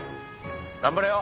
頑張れよ！